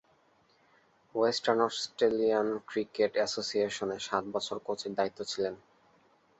Western Australian cricket অ্যাসোসিয়েশনে সাত বছর কোচের দায়িত্বে ছিলেন।